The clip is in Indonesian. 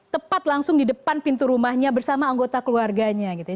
tepat langsung di depan pintu rumahnya bersama anggota keluarganya gitu ya